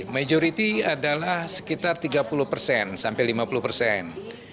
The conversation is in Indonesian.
majority adalah sekitar tiga puluh persen sampai lima puluh persen